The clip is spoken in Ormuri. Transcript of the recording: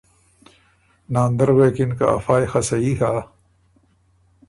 ناندر غوېکِن که ”افا يې خه صحیح هۀ